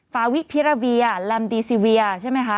ฟาวิพิราเวียแลมดีซีเวียใช่ไหมคะ